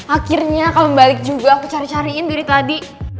akhirnya kalau balik juga aku cari cariin dari tadi